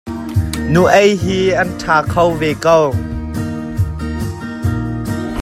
Nu ei hi an ṭha kho ve ko.